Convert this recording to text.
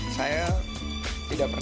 saya tidak pernah